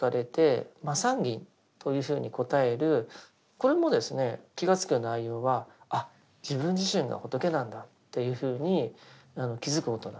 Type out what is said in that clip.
これもですね気が付くような内容はあっ自分自身が仏なんだっていうふうに気付くことなんです。